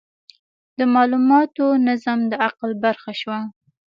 د مالوماتو نظم د عقل برخه شوه.